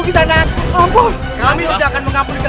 biar mereka mendapatkan hukuman